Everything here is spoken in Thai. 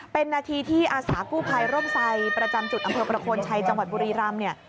เป็นนาทีที่อาสากู้ภัยร่มไซประจำจุดอำเภอประโคนชัยจังหวัดบุรีรำเนี่ย